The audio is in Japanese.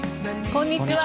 こんにちは。